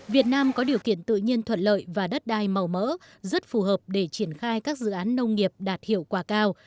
việt nam có điều kiện tự nhiên thuận lợi và đất đai màu mỡ rất phù hợp để triển khai các dự án nông nghiệp đạt hiệu quả cao